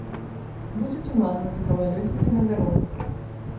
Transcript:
Будзе туманна, з галалёдзіцай на дарогах.